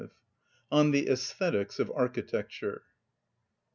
(19) On The Æsthetics Of Architecture.